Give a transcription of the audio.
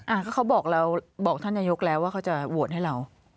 เขาบอกเราบอกท่านนายกแล้วว่าเขาจะโหวตให้เรา